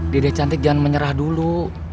diri cantik jangan menyerah dulu